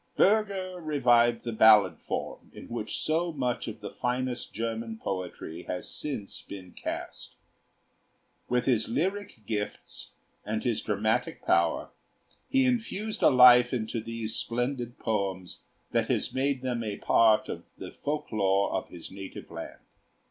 Bürger revived the ballad form in which so much of the finest German poetry has since been cast. With his lyric gifts and his dramatic power, he infused a life into these splendid poems that has made them a part of the folk lore of his native land.